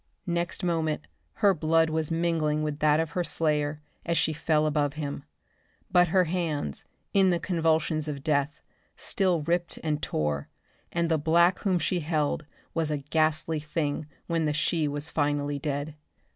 Next moment her blood was mingling with that of her slayer as she fell above him. But her hands, in the convulsions of death, still ripped and tore, and the black whom she held was a ghastly thing when the she was finally dead.